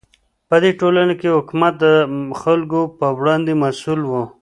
په دې ټولنه کې حکومت د خلکو په وړاندې مسوول و.